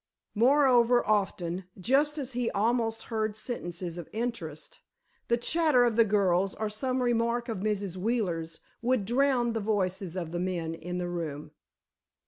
Moreover, often, just as he almost heard sentences of interest, the chatter of the girls or some remark of Mrs. Wheeler's would drown the voices of the men in the room.